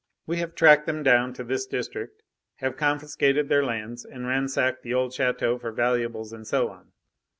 We have tracked them down, to this district, have confiscated their lands and ransacked the old chateau for valuables and so on.